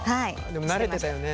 でも慣れてたよね。